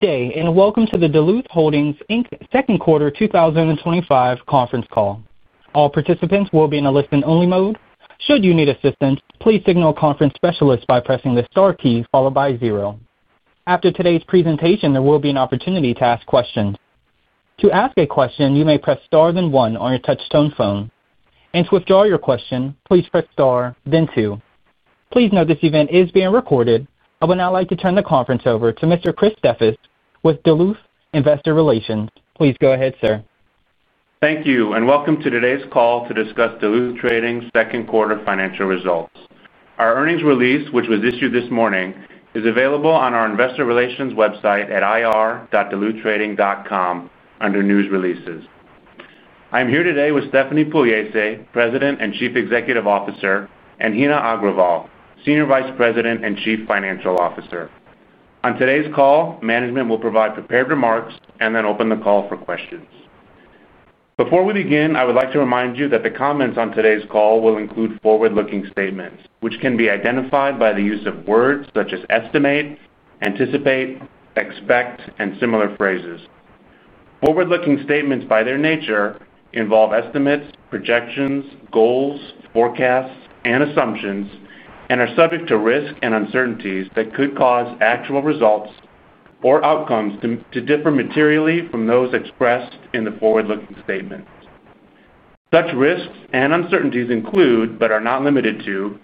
Good day, and welcome to the Duluth Holdings, Inc. Second Quarter twenty twenty five Conference Call. All participants will be in a listen only mode. After today's presentation, there will be an opportunity to ask questions. Please note this event is being recorded. I would now like to turn the conference over to Mr. Chris Steffes with Duluth Investor Relations. Please go ahead, sir. Thank you, and welcome to today's call to discuss Duluth Trading's second quarter financial results. Our earnings release, which was issued this morning, is available on our Investor Relations website at ir.duluthtrading.com under News Releases. I'm here today with Stephanie Pugliese, President and Chief Executive Officer and Hina Agroval, Senior Vice President and Chief Financial Officer. On today's call, management will provide prepared remarks and then open the call for questions. Before we begin, I would like to remind you that the comments on today's call will include forward looking statements, which can be identified by the use of words such as estimate, anticipate, expect and similar phrases. Forward looking statements by their nature involve estimates, projections, goals, forecasts and assumptions and are subject to risks and uncertainties that could cause actual results or outcomes to differ materially from those expressed in the forward looking statements. Such risks and uncertainties include, but are not limited to,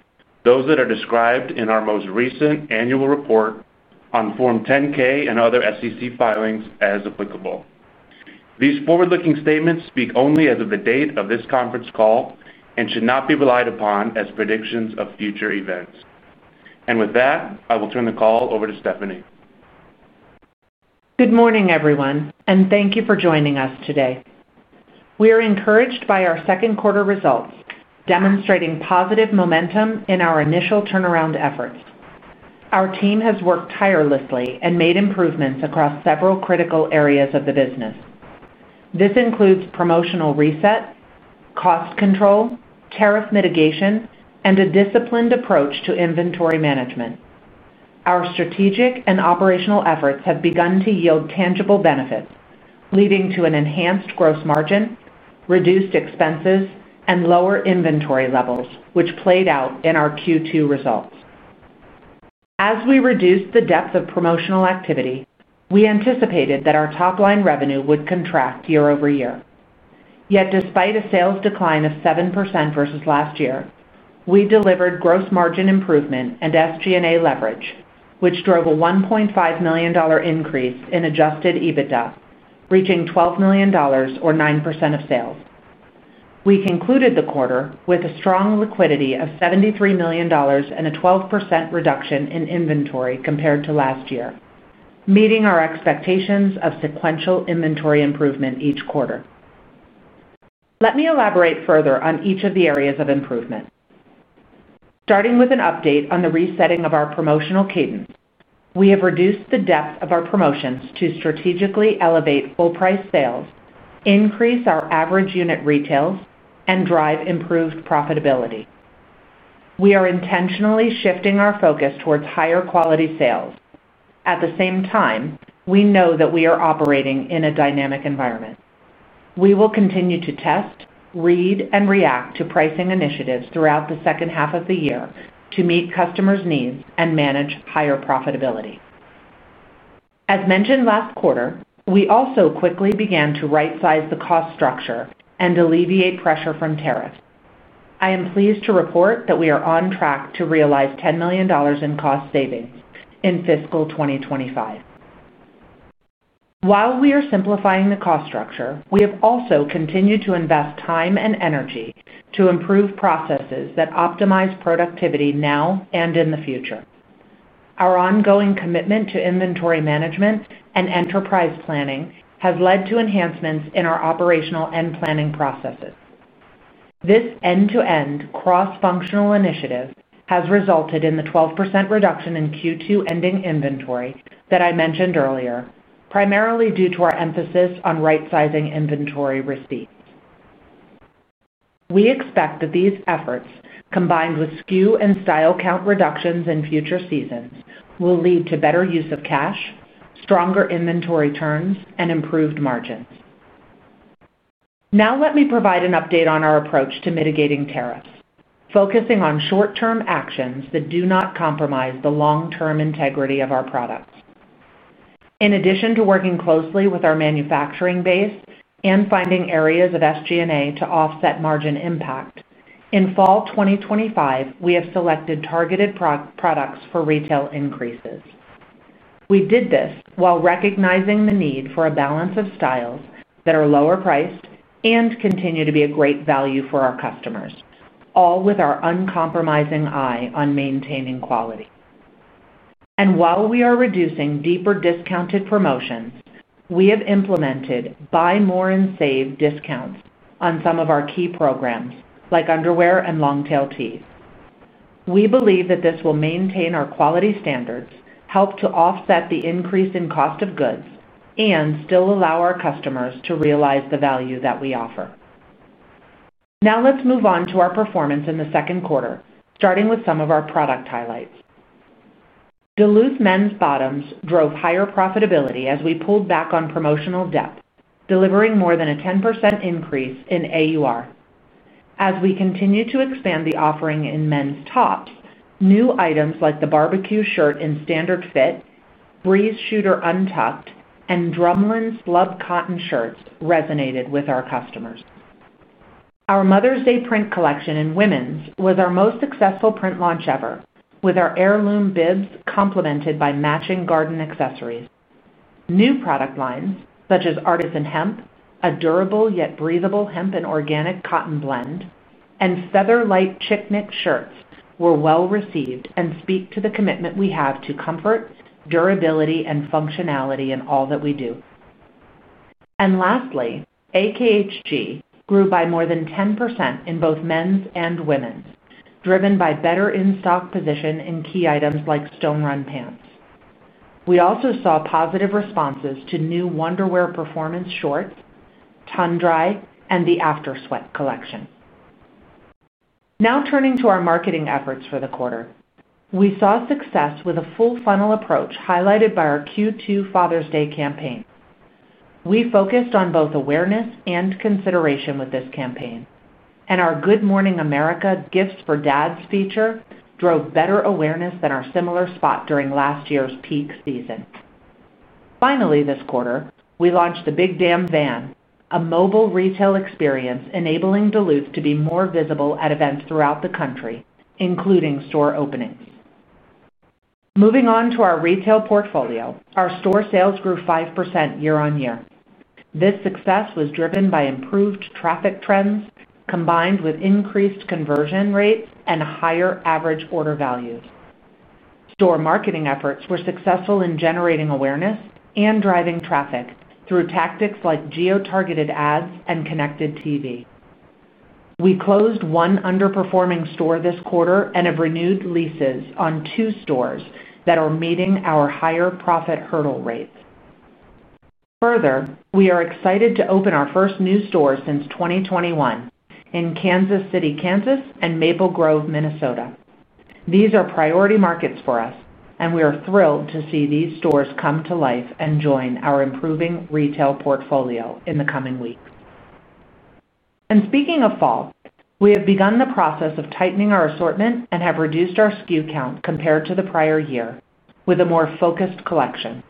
those that are described in our most recent annual report on Form 10 ks and other SEC filings as applicable. These forward looking statements speak only as of the date of this conference call and should not be relied upon as predictions of future events. And with that, I will turn the call over to Stephanie. Good morning, everyone and thank you for joining us today. We are encouraged by our second quarter results demonstrating positive momentum in our initial turnaround efforts. Our team has worked tirelessly and made improvements across several critical areas of the business. This includes promotional reset, cost control, tariff mitigation and a disciplined approach to inventory management. Our strategic and operational efforts have begun to yield tangible benefits, leading to an enhanced gross margin, reduced expenses and lower inventory levels, which played out in our Q2 results. As we reduced the depth of promotional activity, we anticipated that our top line revenue would contract year over year. Yet despite a sales decline of 7% versus last year, we delivered gross margin improvement and SG and A leverage, which drove a $1,500,000 increase in adjusted EBITDA, reaching $12,000,000 or 9% of sales. We concluded the quarter with a strong liquidity of $73,000,000 reduction in inventory compared to last year, meeting our expectations of sequential inventory improvement each quarter. Let me elaborate further on each of the areas of improvement. Starting with an update on the resetting of our promotional cadence, we have reduced the depth of our promotions to strategically elevate full price sales, increase our average unit retails and drive improved profitability. We are intentionally shifting our focus towards higher quality sales. At the same time, we know that we are operating in a dynamic environment. We will continue to test, read and react to pricing initiatives throughout the second half of the year to meet customers' needs and manage higher profitability. As mentioned last quarter, we also quickly began to right size the cost structure and alleviate pressure from tariffs. I am pleased to report that we are on track to realize $10,000,000 in cost savings in fiscal twenty twenty five. While structure, we have also continued to invest time and energy to improve processes that optimize productivity now and in the future. Our ongoing commitment to inventory management and enterprise planning has led to enhancements in our operational and planning processes. This end to end cross functional initiative has resulted in the 12% reduction in Q2 ending inventory that I mentioned earlier, primarily due to our emphasis on rightsizing inventory receipts. We expect that these efforts combined with SKU and style count reductions in future seasons will lead to better use of cash, stronger inventory turns and improved margins. Now let me provide an update on our approach to mitigating tariffs, focusing on short term actions that do not compromise the long term integrity of our products. In addition to working closely with our manufacturing base and finding areas of SG and A to offset margin impact, in fall twenty twenty five, we have selected targeted products for retail increases. We did this while recognizing the need for a balance of styles that are lower priced and continue to be a great value for our customers, all with our uncompromising eye on maintaining quality. And while we are reducing deeper discounted promotions, we have implemented buy more and save discounts on some of our key programs like underwear and long tail tees. We believe that this will maintain our quality standards, help to offset the increase in cost of goods and still allow our customers to realize the value that we offer. Now let's move on to our performance in the second quarter starting with some of our product highlights. Duluth men's bottoms drove higher profitability as we pulled back on promotional depth delivering more than a 10% increase in AUR. As we continue to expand the offering in men's tops, new items like the barbecue shirt in standard fit, Breeze Shooter untucked and Drummond Slub Cotton shirts resonated with our customers. Our Mother's Day print collection in women's was our most successful print launch ever with our heirloom bibs complemented by matching garden accessories. New product lines such as Artisan Hemp, a durable yet breathable hemp and organic cotton blend and Featherlite Chick Knit shirts were well received and speak to the commitment we have to comfort, durability and functionality in all that we do. And lastly, AKHG grew by more than 10% in both men's and women's driven by better in stock position in key items like stonerun pants. We also saw positive responses to new Wonderwear performance shorts, Tundra and the After Sweat collection. Now turning to our marketing efforts for the quarter, we saw success with a full funnel approach highlighted by our Q2 Father's Day campaign. We focused on both awareness and consideration with this campaign and our Good Morning America Gifts for Dads feature drove better awareness than our similar spot during last year's peak season. Finally, this quarter, we launched the Big Damn Van, a mobile retail experience enabling Duluth to be more visible at events throughout the country, including store openings. Moving on to our retail portfolio, our store sales grew 5% year on year. This success was driven by improved traffic trends combined with increased conversion rates and higher average order values. Store marketing efforts were successful in generating awareness and driving traffic through tactics like geo targeted ads and connected TV. We closed one underperforming store this quarter and have renewed leases on two stores that are meeting our higher profit hurdle rates. Further, we are excited to open our first new store since 2021 in Kansas City, Kansas and Maple Grove, Minnesota. These are priority markets for us and we are thrilled to see these stores come to life and join our improving retail portfolio in the coming weeks. And speaking of fall, we have begun the process of tightening our assortment and have reduced our SKU count compared to the prior year with a more focused collection.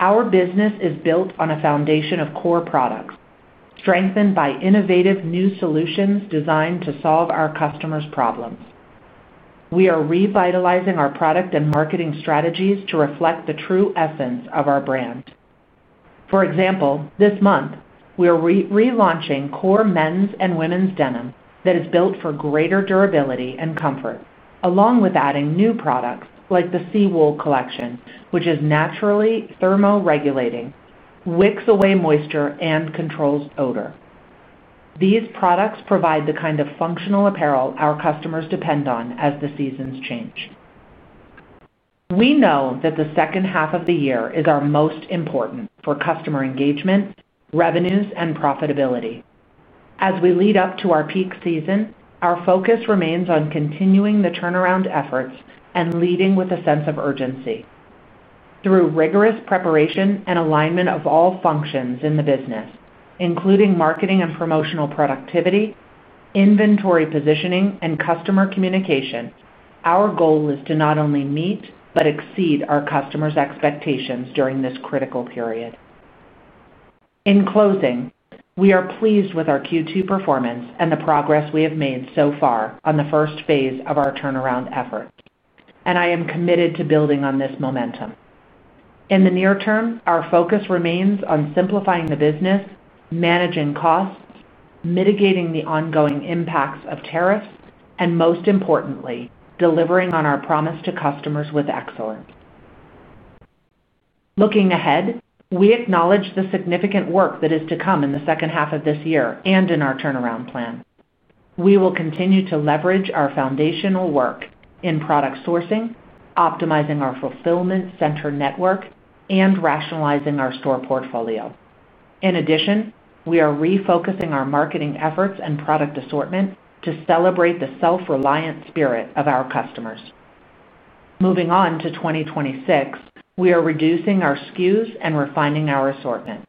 Our business is built on a foundation of core products, strengthened by innovative new solutions designed to solve customers' problems. We are revitalizing our product and marketing strategies to reflect the true essence of our brand. For example, this month, we are relaunching core men's and women's denim that is built for greater durability and comfort along with adding new products like the Seawool collection, which is naturally thermo regulating, wicks away moisture and controls odor. These products provide the kind of functional apparel our customers depend on as the seasons change. We know that the second half of the year is our most important for customer engagement, revenues and profitability. As we lead up to our peak season, our focus remains on continuing the turnaround efforts and leading with a sense of urgency. Through rigorous preparation and alignment of all functions in the business, including marketing and promotional productivity, inventory positioning and customer communication, our goal is to not only meet, but exceed our customers' expectations during this critical period. In closing, we are pleased with our Q2 performance and the progress we have made so far on the first phase of our turnaround efforts and I am committed to building on this momentum. In the near term, our focus remains on simplifying the business, managing costs, mitigating the ongoing impacts of tariffs and most importantly delivering on our promise to customers with excellence. Looking ahead, we acknowledge the significant work that is to come in the second half of this year and in our turnaround plan. We will continue to leverage our foundational work in product sourcing, optimizing our fulfillment center network and rationalizing our store portfolio. In addition, we are refocusing our marketing efforts and product assortment to celebrate the self reliant spirit of our customers. Moving on to 2026, we are reducing our SKUs and refining our assortment.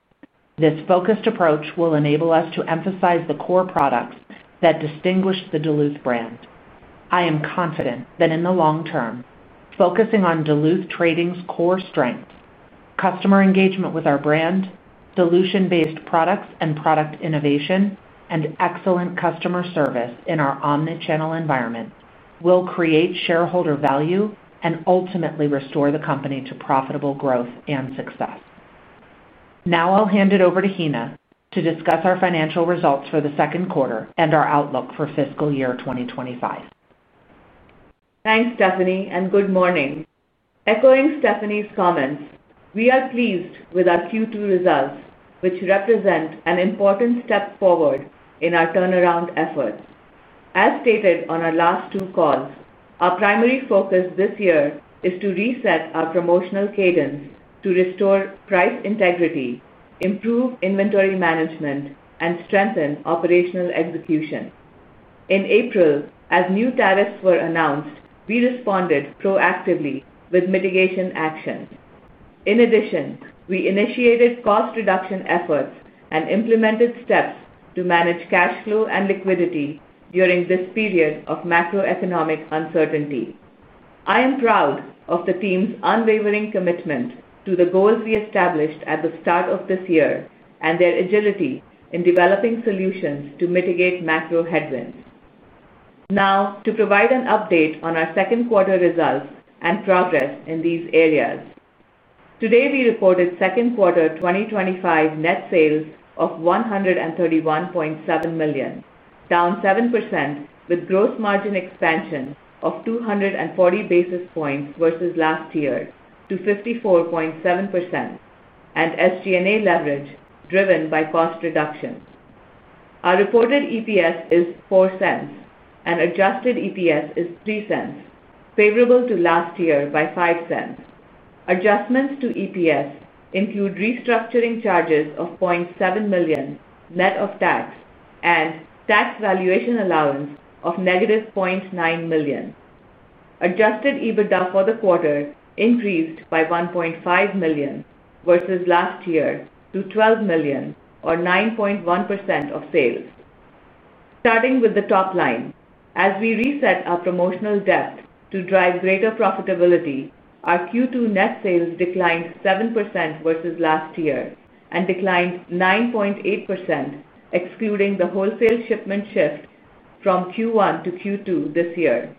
This focused approach will enable us to emphasize the core products that distinguish the Duluth brand. I am confident that in the long term focusing on Duluth Trading's core strengths, customer engagement with our brand, solution based products and product innovation and excellent customer service in our omnichannel environment will create shareholder value and ultimately restore the company to profitable growth and success. Now I'll hand it over to Hina to discuss our financial results for the second quarter and our outlook for fiscal year twenty twenty five. Thanks, Stephanie, and good morning. Echoing Stephanie's comments, we are pleased with our Q2 results, which represent an important step forward in our turnaround efforts. As stated on our last two calls, our primary focus this year is to reset our promotional cadence to restore price integrity, improve inventory management and strengthen operational execution. In April, as new tariffs were announced, we responded proactively with mitigation actions. In addition, we initiated cost reduction efforts and implemented steps to manage cash flow and liquidity during this period of macroeconomic uncertainty. I am proud of the team's unwavering commitment to the goals we established at the start of this year and their agility in developing solutions to mitigate macro headwinds. Now to provide an update on our second quarter results and progress in these areas. Today, we reported second quarter twenty twenty five net sales of $131,700,000 down 7% with gross margin expansion of two forty basis points versus last year to 54.7% and SG and A leverage driven by cost reductions. Our reported EPS is 0.4 and adjusted EPS is $03 favorable to last year by $05 Adjustments to EPS include restructuring charges of $700,000 net of tax and tax valuation allowance of negative $900,000 Adjusted EBITDA for the quarter increased by 1,500,000 versus last year to $12,000,000 or 9.1% of sales. Starting with the top line, as we reset our promotional depth to drive greater profitability, our Q2 net sales declined 7% versus last year and declined 9.8%, excluding the wholesale shipment shift from Q1 to Q2 this year.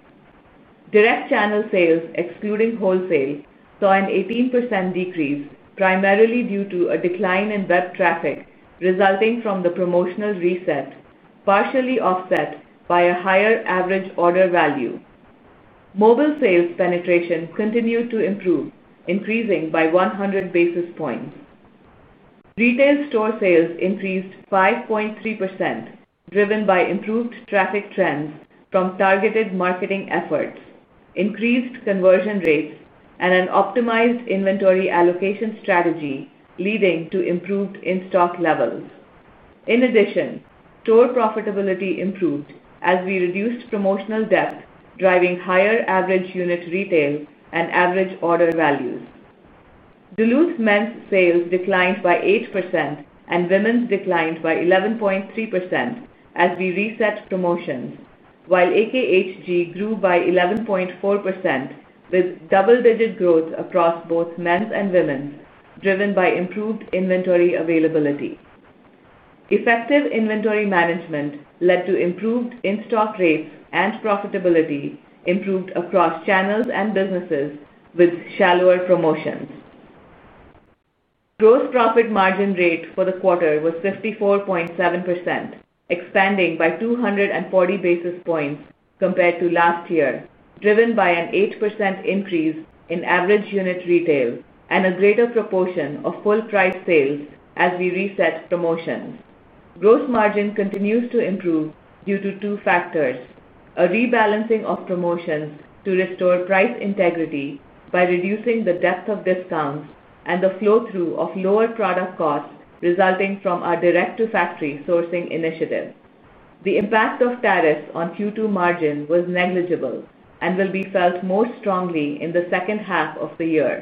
Direct channel sales, excluding wholesale, saw an 18% decrease, primarily due to a decline in web traffic resulting from the promotional reset, partially offset by a higher average order value. Mobile sales penetration continued to improve, increasing by 100 basis points. Retail store sales increased 5.3%, driven by improved traffic trends from targeted marketing efforts, increased conversion rates and an optimized inventory allocation strategy leading to improved in stock levels. In addition, store profitability improved as we reduced promotional depth, driving higher average unit retail and average order values. Duluth men's sales declined by 8% and women's declined by 11.3% as we reset promotions, while AKHG grew by 11.4% with double digit growth across both men's and women's driven by improved inventory availability. Effective inventory management led to improved in stock rates and profitability improved across channels and businesses with shallower promotions. Gross profit margin rate for the quarter was 54.7%, expanding by two forty basis points compared to last year, driven by an 8% increase in average unit retail and a greater proportion of full price sales as we reset promotions. Gross margin continues to improve due to two factors: a rebalancing of promotions to restore price integrity by reducing the depth of discounts and the flow through of lower product costs resulting from our direct to factory sourcing initiative. The impact of tariffs on Q2 margin was negligible and will be felt more strongly in the second half of the year.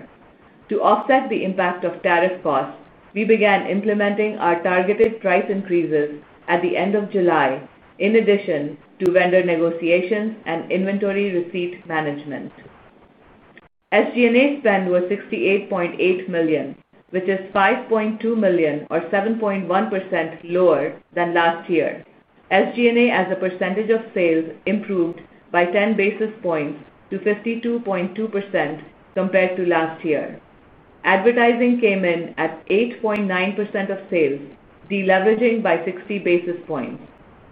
To offset the impact of tariff costs, we began implementing our targeted price increases at the July in addition to vendor negotiations and inventory receipt management. SG and A spend was $68,800,000 which is $5,200,000 or 7.1% lower than last year. SG and A as a percentage of sales improved by 10 basis points to 52.2% compared to last year. Advertising came in at 8.9% of sales, deleveraging by 60 basis points.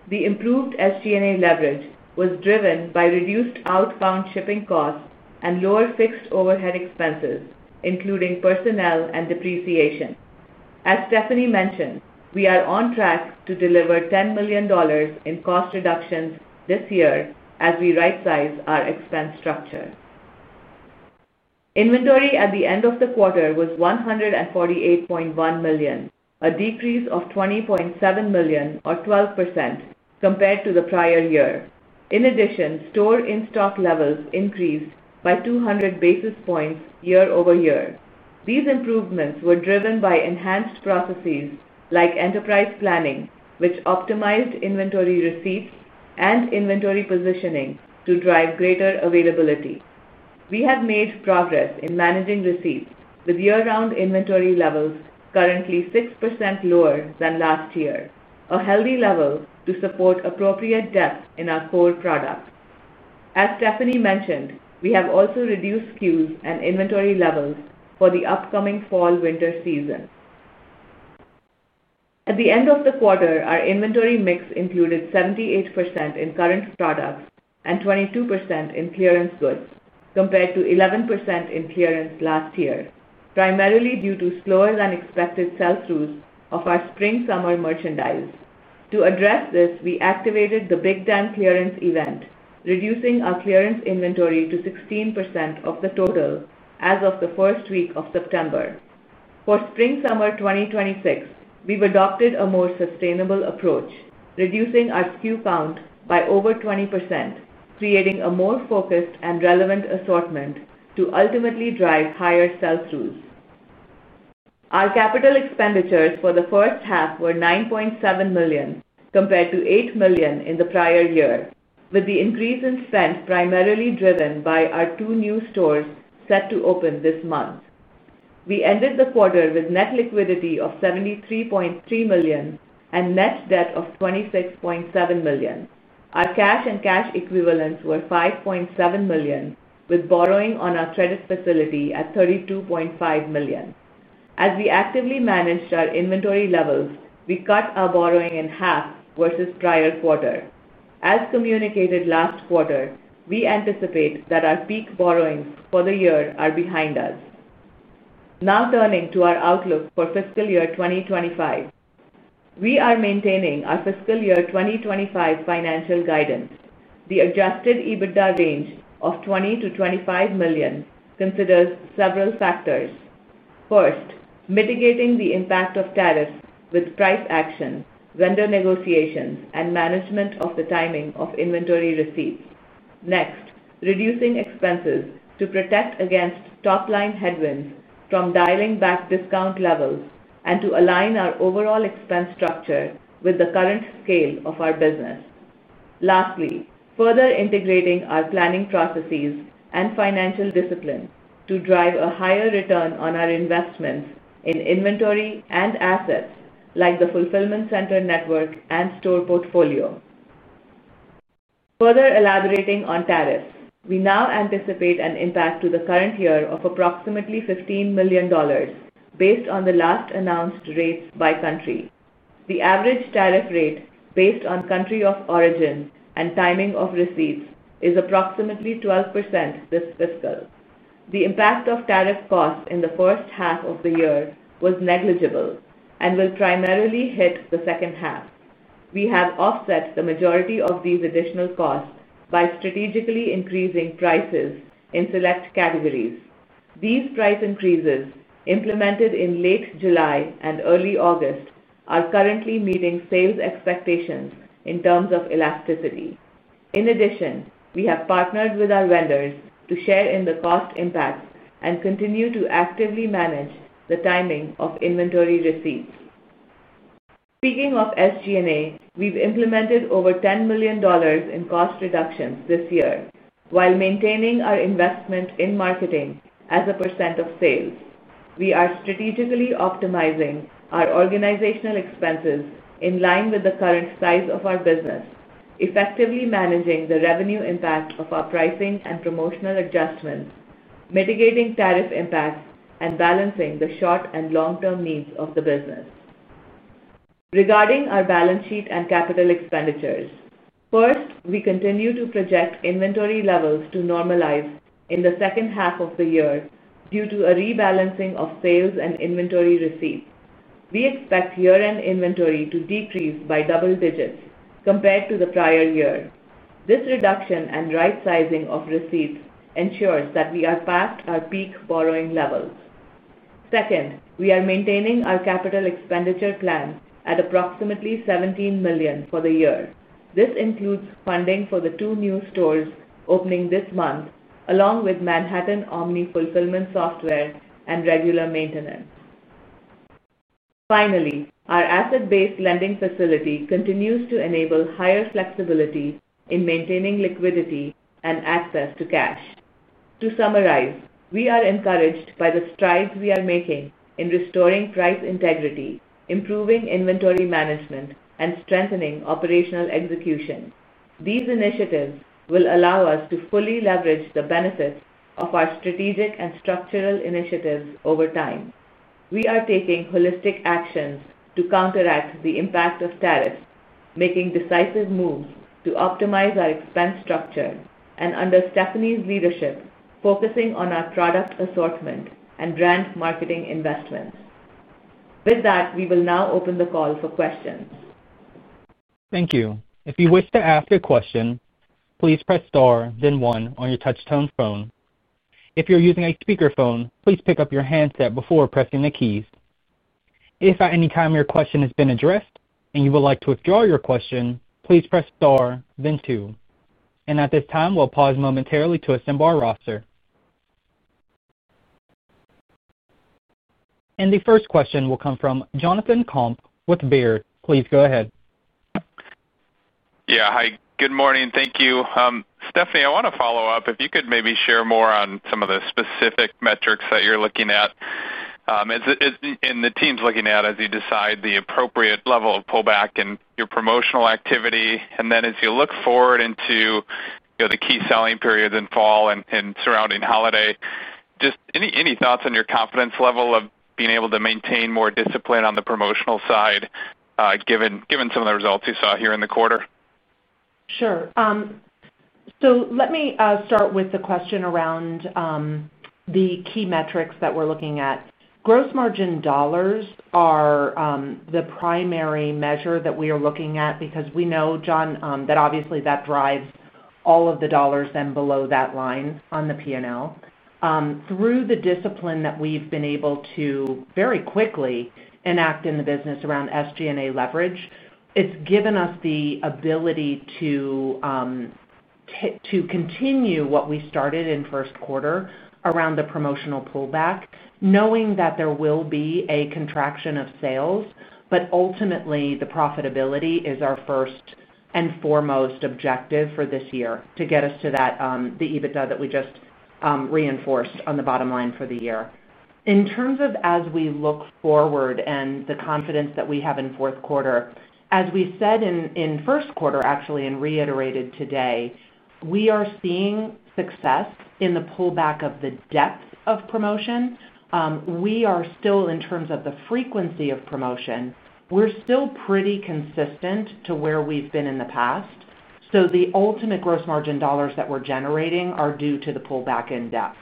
The improved SG and A leverage was driven by reduced outbound shipping costs and lower fixed overhead expenses, including personnel and depreciation. As Stephanie mentioned, we are on track to deliver $10,000,000 in cost reductions this year as we rightsize our expense structure. Inventory at the end of the quarter was $148,100,000 a decrease of $20,700,000 or 12% compared to the prior year. In addition, store in stock levels increased by 200 basis points year over year. These improvements were driven by enhanced processes like enterprise planning, which optimized inventory receipts and inventory positioning to drive greater availability. We have made progress in managing receipts with year round inventory levels currently 6% lower than last year, a healthy level to support appropriate depth in our core products. As Stephanie mentioned, we have also reduced SKUs and inventory levels for the upcoming fallwinter season. At the end of the quarter, our inventory mix included 78% in current products and 22% in clearance goods compared to 11% in clearance last year, primarily due to slower than expected sell throughs of our springsummer merchandise. To address this, we activated the Big Dan clearance event, reducing our clearance inventory to 16% of the total as of the September. For springsummer twenty twenty six, we've adopted a more sustainable approach, reducing our SKU count by over 20%, creating a more focused and relevant assortment to ultimately drive higher sell throughs. Our capital expenditures for the first half were $9,700,000 compared to $8,000,000 in the prior year, with the increase in spend primarily driven by our two new stores set to open this month. We ended the quarter with net liquidity of $73,300,000 and net debt of 26,700,000.0 Our cash and cash equivalents were $5,700,000 with borrowing on our credit facility at $32,500,000 As we actively managed our inventory levels, we cut our borrowing in half versus prior quarter. As communicated last quarter, we anticipate that our peak borrowings for the year are behind us. Now turning to our outlook for fiscal year twenty twenty five. We are maintaining our fiscal year twenty twenty five financial guidance. The adjusted EBITDA range of 20,000,000 to $25,000,000 considers several factors. First, mitigating the impact of tariffs with price action, vendor negotiations and management of the timing of inventory receipts next, reducing expenses to protect against top line headwinds from dialing back discount levels and to align our overall expense structure with the current scale of our business. Lastly, further integrating our planning processes and financial discipline to drive a higher return on our investments in inventory and assets like the fulfillment center network and store portfolio. Further elaborating on tariffs, we now anticipate an impact to the current year of approximately $15,000,000 based on the last announced rates by country. The average tariff rate based on country of origin and timing of receipts is approximately 12% this fiscal. The impact of tariff costs in the first half of the year was negligible and will primarily hit the second half. We have offset the majority of these additional costs by strategically increasing prices in select categories. These price increases implemented in late July and early August are currently meeting sales expectations in terms of elasticity. In addition, we have partnered with our vendors to share in the cost impact and continue to actively manage the timing of inventory receipts. Speaking of SG and A, we've implemented over $10,000,000 in cost reductions this year, while maintaining our investment in marketing as a percent of sales. We are strategically optimizing our organizational expenses in line with the current size of our business, effectively managing the revenue impact of our pricing and promotional adjustments, mitigating tariff impacts and balancing the short and long term needs of the business. Regarding our balance sheet and capital expenditures. First, we continue to project inventory levels to normalize in the second half of the year due to a rebalancing of sales and inventory receipts. We expect year end inventory to decrease by double digits compared to the prior year. This reduction and rightsizing of receipts ensures that we are past our peak borrowing levels. Second, we are maintaining our capital expenditure plan at approximately $17,000,000 for the year. This includes funding for the two new stores opening this month along with Manhattan Omni fulfillment software and regular maintenance. Finally, our asset based lending facility continues to enable higher flexibility in maintaining liquidity and access to cash. To summarize, we are encouraged by the strides we are making in restoring price integrity, improving inventory management and strengthening operational execution. These initiatives will allow us to fully leverage the benefits of our strategic and structural initiatives over time. We are taking holistic actions to counteract the impact of tariffs, making decisive moves to optimize our expense structure and under Stephanie's leadership, focusing on our product assortment and brand marketing investments. With that, we will now open the call for questions. Thank And the first question will come from Jonathan Komp with Baird. Please go ahead. Yeah. Hi. Good morning. Thank you. Stephanie, I want to follow-up. If you could maybe share more on some of the specific metrics that you're looking at, and the team is looking at as you decide the appropriate level of pullback in your promotional activity. And then as you look forward into the key selling periods in fall and surrounding holiday, Just any thoughts on your confidence level of being able to maintain more discipline on the promotional side given some of the results you saw here in the quarter? Sure. So let me start with the question around the key metrics that we're looking at. Gross margin dollars are the primary measure that we are looking at because we know John that obviously that drives all of the dollars then below that line on the P and L. Through the discipline that we've been able to very quickly enact in the business around SG and A leverage, it's given us the ability continue what we started in first quarter around the promotional pullback knowing that there will be a contraction of sales. But ultimately the profitability is our first and foremost objective for this year to get us to that the EBITDA that we just reinforced on the bottom line for the year. In terms of as we look forward and the confidence that we have in fourth quarter, as we said in first quarter actually and reiterated today, we are seeing success in the pullback of the depth of promotion. We are still in terms of the frequency of promotion, we're still pretty consistent to where we've been in the past. So the ultimate gross margin dollars that we're generating are due to the pullback in-depth.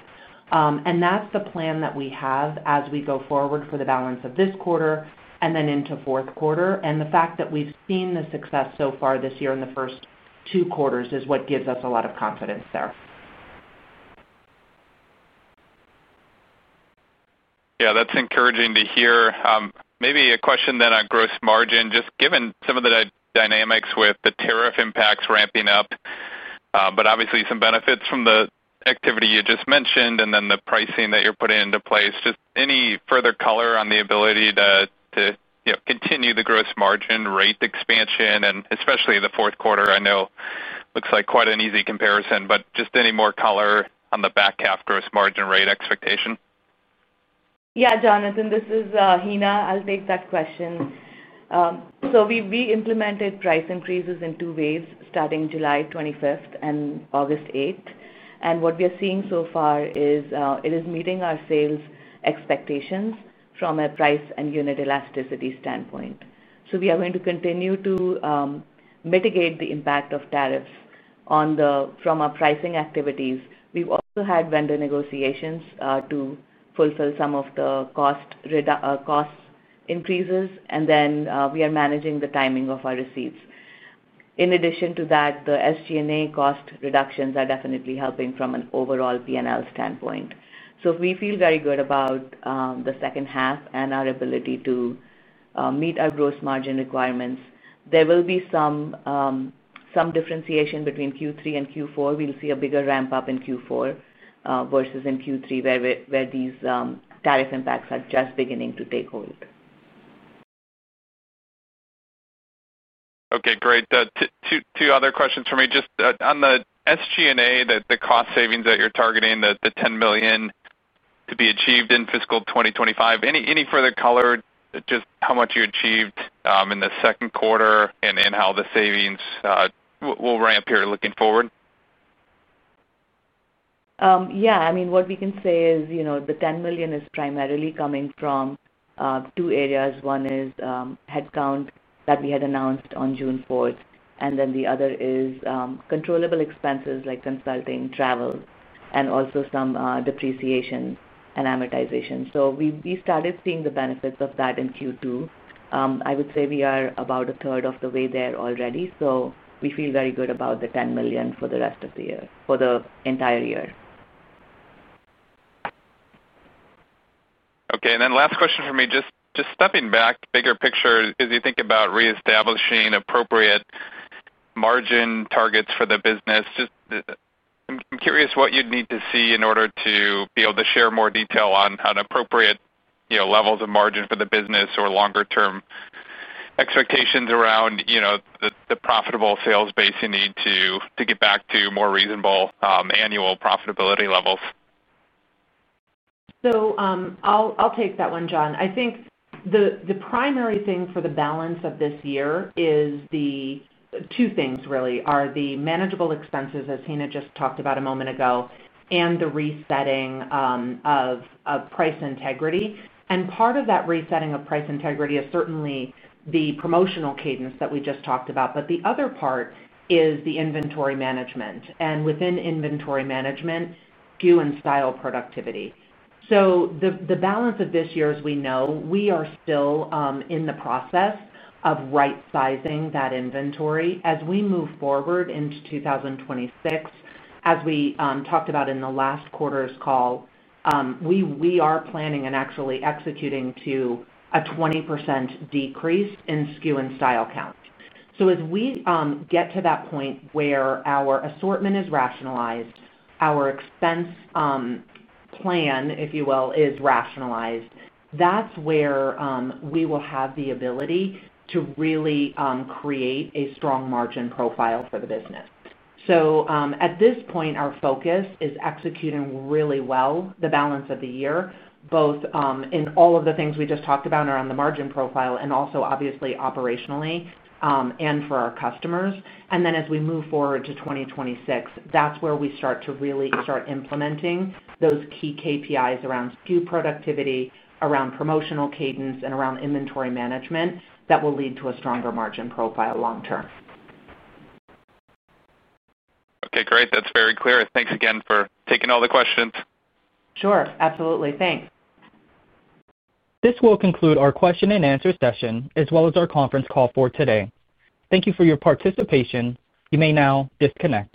And that's the plan that we have as we go forward for the balance of this quarter and then into fourth quarter. And the fact that we've seen the success so far this year in the first two quarters is what gives us a lot of confidence there. Yes. That's encouraging to hear. Maybe a question then on gross margin. Just given some of the dynamics with the tariff impacts ramping up, but obviously some benefits from the activity you just mentioned and then the pricing that you're putting into place. Just any further color on the ability to continue the gross margin rate expansion and especially the fourth quarter? I know looks like quite an easy comparison, but just any more color on the back half gross margin rate expectation? Yes, Jonathan, this is Hina. I'll take that question. So we implemented price increases in two ways starting July 25 and August 8. And what we are seeing so far is, it is meeting our sales expectations from a price and unit elasticity standpoint. So we are going to continue to mitigate the impact of tariffs on the from our pricing activities. We've also had vendor negotiations to fulfill some of the cost increases, and then we are managing the timing of our receipts. In addition to that, the SG and A cost reductions are definitely helping from an overall P and L standpoint. So we feel very good about the second half and our ability to meet our gross margin requirements. There will be some differentiation between Q3 and Q4. We'll see a bigger ramp up in Q4 versus in Q3 where these tariff impacts are just beginning to take hold. Okay, great. Two other questions for me. Just on the SG and A, the cost savings that you're targeting, the $10,000,000 to be achieved in fiscal twenty twenty five, any further color just how much you achieved in the second quarter and how the savings will ramp here looking forward? Yes. I mean, what we can say is the $10,000,000 is primarily coming from two areas. One is headcount that we had announced on June 4, and then the other is controllable expenses like consulting, travel and also some depreciation and amortization. So we started seeing the benefits of that in Q2. I would say we are about a third of the way there already. So we feel very good about the $10,000,000 for the rest of the year for the entire year. Okay. And then last question for me. Just stepping back bigger picture, as you think about reestablishing appropriate margin targets for the business, just I'm curious what you'd need to see in order to be able to share more detail on an appropriate levels of margin for the business or longer term expectations around the profitable sales base you need to get back to more reasonable annual profitability levels? So, I'll take that one John. I think the primary thing for the balance of this year is the two things really are the manageable expenses as Hina just talked about a moment ago and the resetting of price integrity. And part of that resetting of price integrity is certainly the promotional cadence that we just talked about. But the other part is the inventory management. And within inventory management, SKU and style productivity. So the balance of this year as we know, we are still in the process of rightsizing that inventory. As we move forward into 2026, as we talked about in the last quarter's call, we are planning and actually executing to a 20% decrease in SKU and style count. So as we get to that point where our assortment is rationalized, our expense plan if you will is rationalized that's where we will have the ability to really create a strong margin profile for the business. So, at this point our focus is executing really well the balance of the year both in all of the things we just talked about around the margin profile and also obviously operationally, and for our customers. And then as we move forward to 2026 that's where we start to really start implementing those key KPIs around SKU productivity, around promotional cadence and around inventory management that will lead to a stronger margin profile long term. Okay, great. That's very clear. Thanks again for taking all the questions. Sure. Absolutely. Thanks. This will conclude our question and answer session as well as our conference call for today. Thank you for your participation. You may now disconnect.